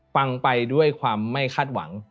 ฟังไปด้วยความไม่คาดหวัง